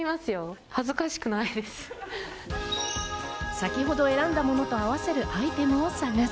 先ほど選んだものと合わせるアイテムを探す。